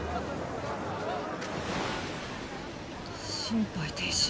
心肺停止。